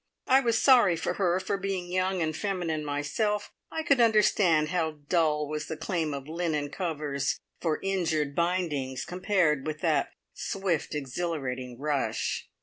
I was sorry for her, for being young and feminine myself, I could understand how dull was the claim of linen covers for injured bindings, compared with that swift, exhilarating rush.